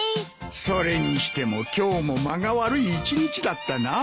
それにしても今日も間が悪い一日だったな。